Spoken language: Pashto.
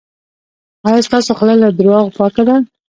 ایا ستاسو خوله له درواغو پاکه ده؟